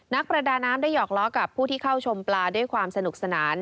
นักประดาน้ำได้หอกล้อกับผู้ที่เข้าชมปลาด้วยความสนุกสนาน